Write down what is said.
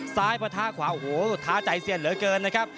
ซ้ายประทะขวาโหท้าใจเสียเหลือเกินนะครับ